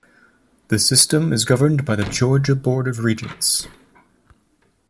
The System is governed by the Georgia Board of Regents.